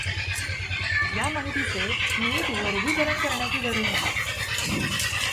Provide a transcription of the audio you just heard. या माहितीचे नीट वर्गीकरण करण्याची गरज आहे.